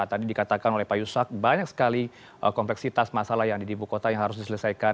tadi dikatakan oleh pak yusak banyak sekali kompleksitas masalah yang di ibu kota yang harus diselesaikan